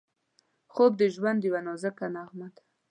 خوب د ژوند یوه نازکه نغمه ده